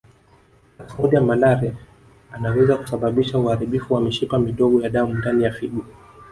Plasmodium malariae anaweza kusababisha uharibifu wa mishipa midogo ya damu ndani ya figo